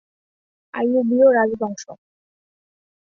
আইয়ুবীয় রাজবংশ।